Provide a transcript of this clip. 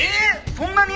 そんなに？